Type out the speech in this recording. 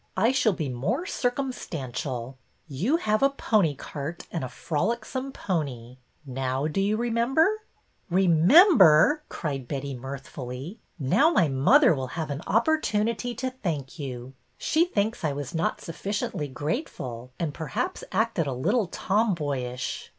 I shall be more circumstantial. You have a pony cart and a frolicsome pony. Now do you remember ?" Remember !" cried Betty, mirthfully. '' Now A NEW SCHEME 93 my mother will have an opportunity to thank you. She thinks I was not sufficiently grateful, and perhaps acted a little tom boyish.''